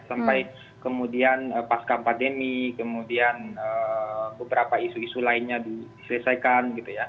sampai kemudian pasca pandemi kemudian beberapa isu isu lainnya diselesaikan gitu ya